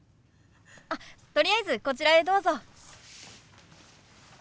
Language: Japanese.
とりあえずこちらへどうぞ。